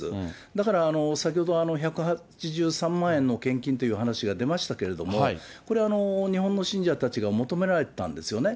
だから、先ほど１８３万円の献金という話が出ましたけれども、これ、日本の信者たちが求められてたんですよね。